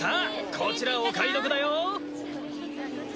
こちらお買い得だよ！